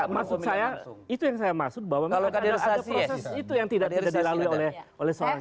masuk saya itu yang saya masuk bahwa ada proses itu yang tidak dilalui oleh seorang jokowi